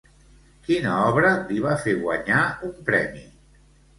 Quina obra li va fer guanyar un premi?